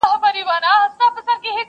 سړي و ویل قاضي ته زما بادار یې,